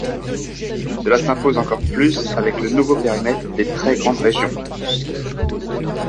Cela s’impose encore plus avec le nouveau périmètre des très grandes régions.